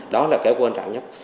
đó là cái quan trọng nhất